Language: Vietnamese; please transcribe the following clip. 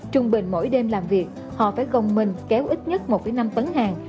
trung bình mỗi đêm làm việc họ phải gồng mình kéo ít nhất một năm tấn hàng